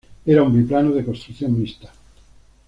Era un biplano de construcción mixta.